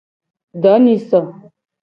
Donyiso.